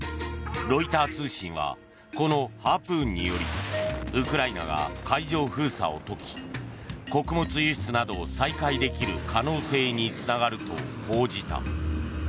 ロイター通信はこのハープーンによりウクライナが海上封鎖を解き穀物輸出などを再開できる可能性につながると報じた。